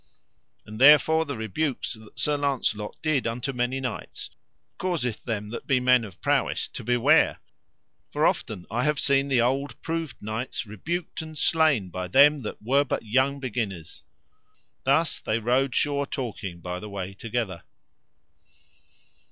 And therefore the rebukes that Sir Launcelot did unto many knights causeth them that be men of prowess to beware; for often I have seen the old proved knights rebuked and slain by them that were but young beginners. Thus they rode sure talking by the way together.